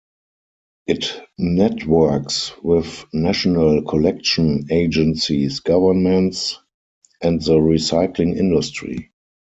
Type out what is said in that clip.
It networks with national collection agencies, governments, and the recycling industry.